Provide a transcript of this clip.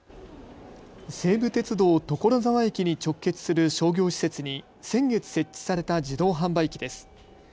西武鉄道所沢駅に直結する商業施設に先月、設置された自動販売機です。